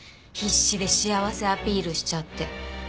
必死で幸せアピールしちゃって。